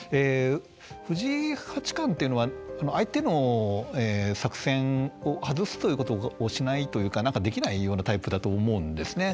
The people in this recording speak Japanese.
藤井八冠というのは相手の作戦を外すということをしないというかできないようなタイプだと思うんですね。